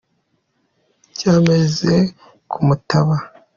Ryameze ku mutaba